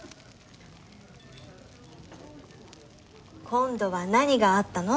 今度は何があったの？